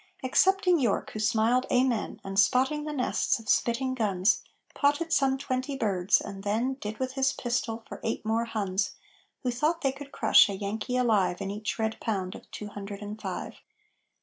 Excepting York, who smiled "Amen," And, spotting the nests of spitting guns, Potted some twenty birds, and then Did with his pistol for eight more Huns Who thought they could crush a Yankee alive In each red pound of two hundred and five.